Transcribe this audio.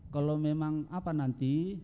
kalau memang apa nanti